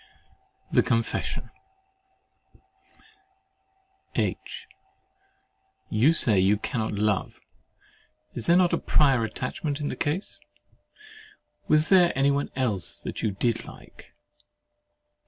] THE CONFESSION H. You say you cannot love. Is there not a prior attachment in the case? Was there any one else that you did like?